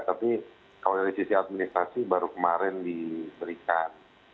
tapi kalau dari sisi administrasi baru kemarin diberikan